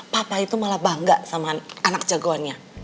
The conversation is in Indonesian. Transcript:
papa itu malah bangga sama anak jagoannya